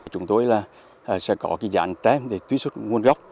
chúng tôi sẽ có dạng trám để tuy xuất nguồn gốc